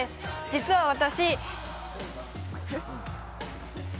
実は私。